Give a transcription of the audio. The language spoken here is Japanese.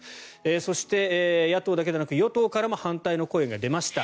そして、野党だけではなく与党からも反対の声が出ました。